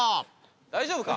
大丈夫か？